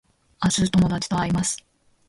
明日友達と会います